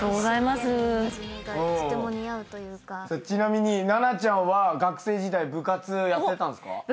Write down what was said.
ちなみに奈々ちゃんは学生時代部活はやってたんすか？